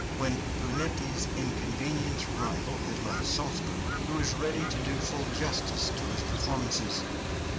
When Brunetti's inconvenient rival had left Salzburg, he was ready to do full justice to his performances.